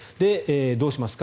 どうしますか？